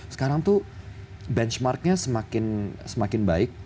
sekarang tuh benchmarknya semakin baik